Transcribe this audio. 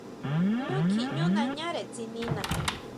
Ñú kjiʼñú nañare tsinina.